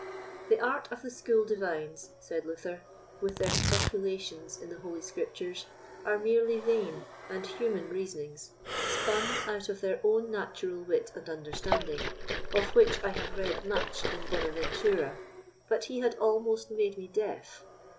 The art of the School Divines, said Luther, with their speculations in the Holy Scriptures, are merely vain and human reasonings, spun out of their own natural wit and understanding, of which I have read much in Bonaventura, but he had almost made me deaf.